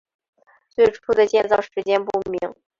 最初的建造时间不明。